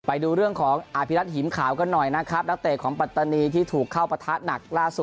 ไปดูเรื่องของอภิรัตหิมขาวกันหน่อยนะครับนักเตะของปัตตานีที่ถูกเข้าประทะหนักล่าสุด